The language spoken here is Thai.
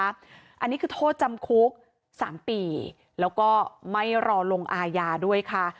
อันนี้คือโทษจำคุก๓ปีแล้วก็ไม่รอลงอาญาด้วยค่ะ